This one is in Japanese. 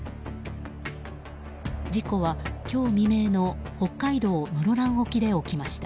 事故は、今日未明の北海道室蘭沖で起きました。